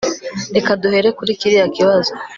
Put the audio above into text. reka duhere kuri kiriya kibazo